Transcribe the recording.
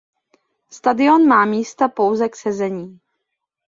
Stadion má místa pouze k sezení.